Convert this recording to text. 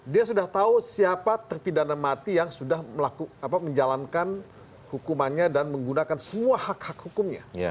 dia sudah tahu siapa terpidana mati yang sudah menjalankan hukumannya dan menggunakan semua hak hak hukumnya